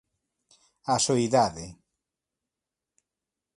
A soidade